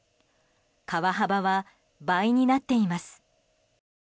川幅は倍になっています。